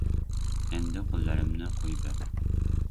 Endi, qo‘llarimni qo‘yber.